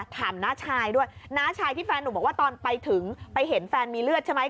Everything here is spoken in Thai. น้าชายด้วยน้าชายที่แฟนหนุ่มบอกว่าตอนไปถึงไปเห็นแฟนมีเลือดใช่ไหม